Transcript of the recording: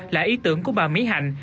là ý tưởng của bà mỹ hạnh